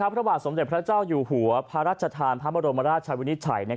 พระบาทสมเด็จพระเจ้าอยู่หัวพระราชทานพระบรมราชวินิจฉัย